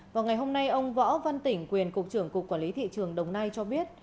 vào ngày hôm nay ông võ văn tỉnh quyền cục trưởng cục quản lý thị trường đồng nai cho biết